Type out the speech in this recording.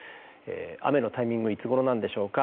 雨のタイミングはいつごろなんでしょうか。